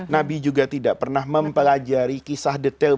nabi juga tidak pernah mempelajari kisah detail